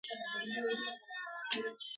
ګاز د افغانستان د بشري فرهنګ برخه ده.